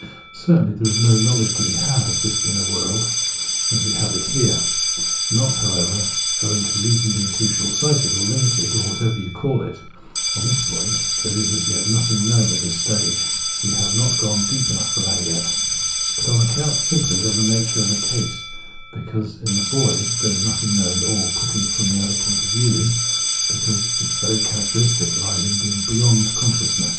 Certainly there is no laiowledge to be had of this * Cp. Goethe, " /m innern der Natur," etc. Understanding 139 inner world, as we have it here ; not, however, owing to reason being too short sighted, or limited, or what ever you care to call it (on this point there is as yet nothing known at this stage ; we have not gone deep enough for that yet), but on account simply of the nature of the case, because in the void there is nothing known, or, putting it from the point of view of the other side, because its very characteristic lies in being beyond con sciousness.